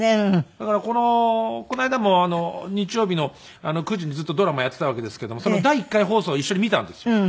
だからこの間も日曜日の９時にずっとドラマをやっていたわけですけどもその第１回放送を一緒に見たんですよ。